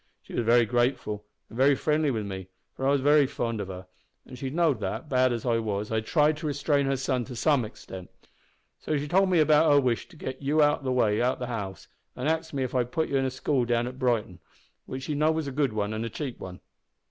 She was very grateful, and very friendly wi' me, for I was very fond of her, and she know'd that, bad as I was, I tried to restrain her son to some extent. So she told me about her wish to git you well out o' the house, an' axed me if I'd go an' put you in a school down at Brighton, which she know'd was a good an' a cheap one.